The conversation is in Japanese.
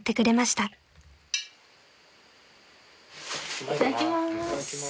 いただきます。